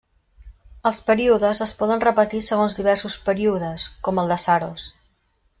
Els períodes es poden repetir segons diversos períodes, com el de Saros.